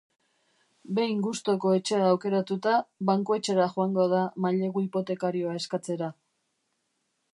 Behin gustoko etxea aukeratuta, bankuetxera joango da mailegu hipotekarioa eskatzera.